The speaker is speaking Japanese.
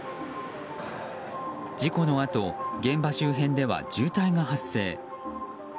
事故のあと現場周辺では渋滞が発生。